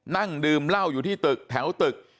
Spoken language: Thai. นั่งดื่มเหล้าอยู่ที่ตึกแถวตึก